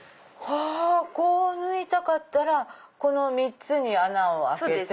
こう縫いたかったら３つに穴を開けて。